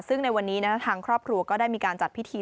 ซึ่งในวันนี้ทางครอบครัวก็ได้มีการจัดพิธี